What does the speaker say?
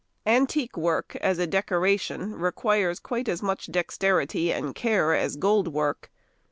|123| Antique work, as a decoration, requires quite as much dexterity and care as gold work.